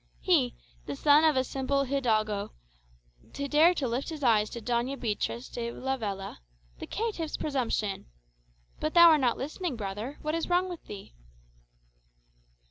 He, the son of a simple hidalgo, to dare lift his eyes to Doña Beatriz de Lavella? The caitiff's presumption! But thou art not listening, brother. What is wrong with thee?"